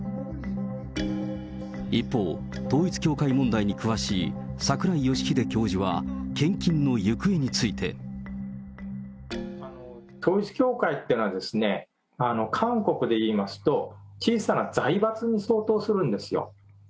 一方、統一教会問題に詳しい、櫻井義秀教授は、献金の行方について。統一教会っていうのはですね、韓国で言いますと、小さな財閥に相当するんですよ。